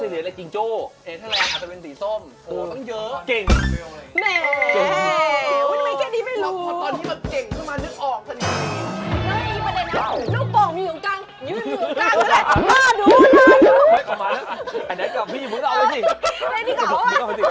ในดีเกาข้างบ้าง